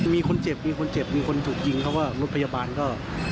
มีคนเจ็บมีคนเจ็บมีคนถูกยิงเขาก็รถพยาบาลก็